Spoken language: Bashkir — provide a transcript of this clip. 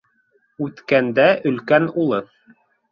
Үткәндә өлкән улы: